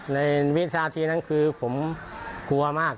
วินาทีนั้นคือผมกลัวมาก